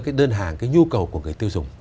cái đơn hàng cái nhu cầu của người tiêu dùng